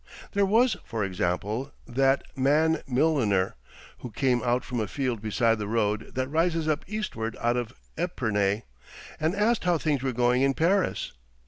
There was, for example, that 'man milliner' who came out from a field beside the road that rises up eastward out of Epernay, and asked how things were going in Paris.